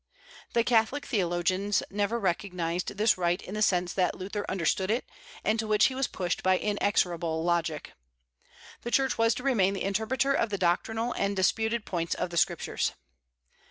The Catholic theologians never recognized this right in the sense that Luther understood it, and to which he was pushed by inexorable logic. The Church was to remain the interpreter of the doctrinal and disputed points of the Scriptures.